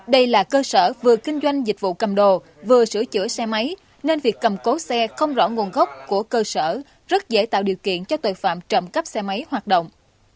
đây là cơ sở vừa kinh doanh dịch vụ cầm đồ vừa sửa chữa xe máy nên việc cầm cố xe không rõ nguồn gốc của cơ sở rất dễ tạo điều kiện cho tội phạm trộm cắp xe máy hoạt động